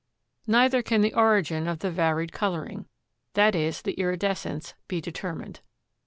Neither can the origin of the varied coloring; i. e., the iridescence, be determined.